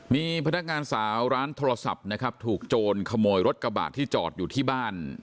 มีพนักงานสาวร้านโทรศัพท์นะครับถูกโจรขโมยรถกระบะที่จอดอยู่ที่บ้าน